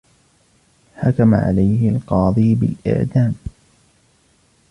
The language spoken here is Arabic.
حكم عليه القاضي بالإعدام.